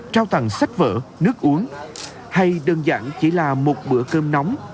trao tặng sách vở nước uống hay đơn giản chỉ là một bữa cơm nóng